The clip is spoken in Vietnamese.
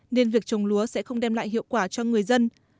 nên việc trồng lúa sẽ không đem lại hiệu quả cho người dân